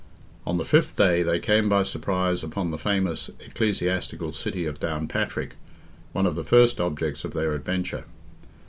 On the fifth day, they came by surprise upon the famous ecclesiastical city of Downpatrick, one of the first objects of their adventure.